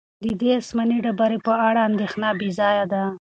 د دې آسماني ډبرې په اړه اندېښنه بې ځایه ده.